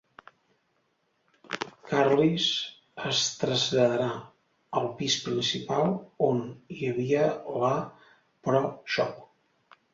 Curly's es traslladarà al pis principal, on hi havia la Pro Shop.